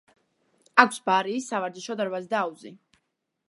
აქვს ბარი, სავარჯიშო დარბაზი და აუზი.